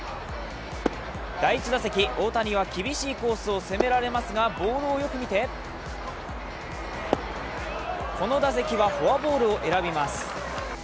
第１打席、大谷は厳しいコースを責められますが、ボールをよく見てこの打席はフォアボールを選びます。